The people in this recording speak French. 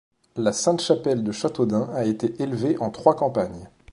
La Sainte-Chapelle de Châteaudun a été élevée en trois campagnes.